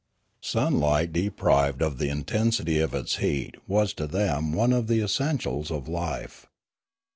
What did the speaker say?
Sunlight deprived of the intensity of its heat was to them one of the essentials of life.